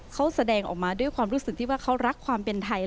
เขาแสดงออกมาด้วยความรู้สึกที่ว่าเขารักความเป็นไทย